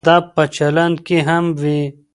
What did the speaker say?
ادب په چلند کې هم وي.